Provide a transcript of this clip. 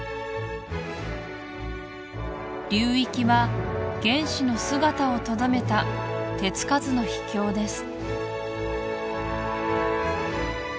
流域は原始の姿をとどめた手つかずの秘境です